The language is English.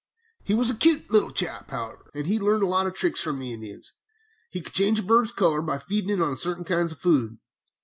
"He was a cute little chap, however, and had learned a lot of tricks from the Indians. He could change a bird's color by feeding it on certain kinds of food.